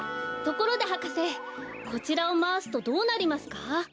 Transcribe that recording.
ところで博士こちらをまわすとどうなりますか？